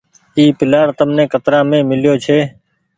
اي پلآٽ تمني ڪترآ مين ميليو ڇي۔